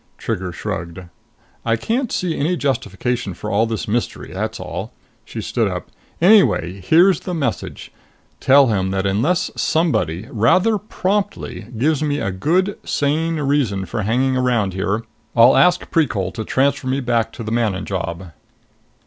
Trigger shrugged. "I can't see any justification for all this mystery, that's all." She stood up. "Anyway, here's the message. Tell him that unless somebody rather promptly gives me a good sane reason for hanging around here, I'll ask Precol to transfer me back to the Manon job."